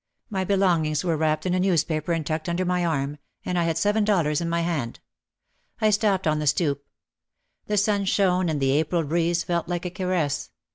My belongings were wrapped in a newspaper and tucked under my arm, and I had seven dollars in my hand. I stopped on the stoop. The sun shone and the April breeze felt like a caress.